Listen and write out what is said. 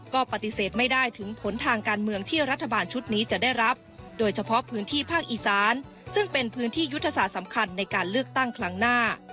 ก็ปฏิเสธไม่ได้ถึงผลทางการเมืองที่รัฐบาลชุดนี้จะได้รับโดยเฉพาะพื้นที่ภาคอีสานซึ่งเป็นพื้นที่ยุทธศาสตร์สำคัญในการเลือกตั้งครั้งหน้า